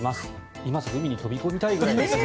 今すぐ海に飛び込みたいくらいですね。